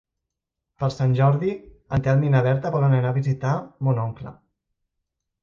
Per Sant Jordi en Telm i na Berta volen anar a visitar mon oncle.